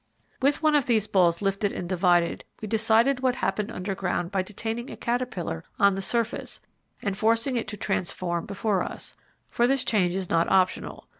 With one of these balls lifted and divided, we decided what happened underground by detaining a caterpillar on the surface and forcing it to transform before us, for this change is not optional.